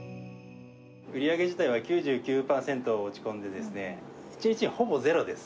売り上げ自体は９９％落ち込んでですね、１日ほぼゼロです。